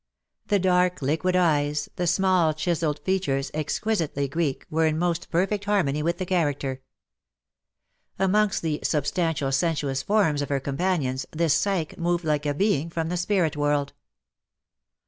The dark liquid eyes, the small chiselled features, exquisitely Greek, were in most perfect harmony with the character. Amongst the sub CUPID AND PSYCHE. 219 stantial sensuous forms of her companions this Psyche moved like a being from the spirit world.